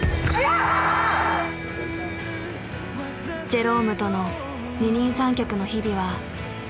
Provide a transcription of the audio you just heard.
ジェロームとの二人三脚の日々は続く。